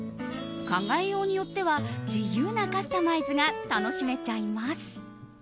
考えようによっては自由なカスタマイズが楽しめちゃいます。